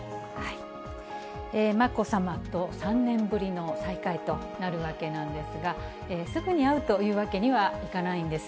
まこさまと３年ぶりの再会となるわけなんですが、すぐに会うというわけにはいかないんです。